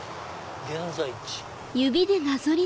現在地。